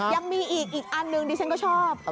ยังมีอีกอีกอันหนึ่งดิฉันก็ชอบ